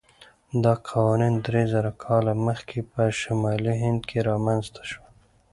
دا قوانین درېزره کاله مخکې په شمالي هند کې رامنځته شول.